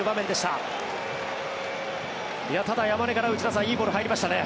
ただ山根から、内田さんいいボール入りましたね。